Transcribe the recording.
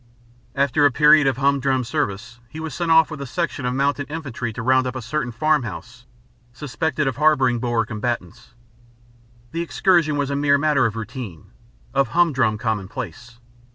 After a period of humdrum service he was sent off with a section of mounted infantry to round up a certain farm house suspected of harbouring Boer combatants. The excursion was a mere matter of routine of humdrum commonplace.